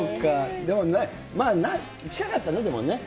でも、近かったね、でもね。